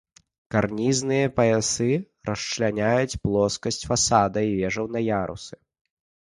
Карнізныя паясы расчляняюць плоскасць фасада і вежаў на ярусы.